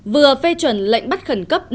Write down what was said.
vừa phê chuẩn lệnh bắt khẩn cấp